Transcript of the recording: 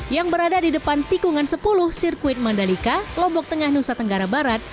yang berada di depan tikungan sepuluh sirkuit mandalika lombok tengah nusa tenggara barat